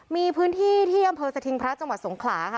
มีพื้นที่ที่อำเภอสถิงพระจังหวัดสงขลาค่ะ